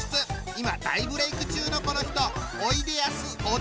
今大ブレーク中のこの人！